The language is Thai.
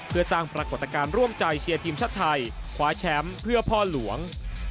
เพื่อสร้างปรากฏการณ์ร่วมใจเชียร์ทีมชาติไทยคว้าแชมป์เพื่อพ่อหลวง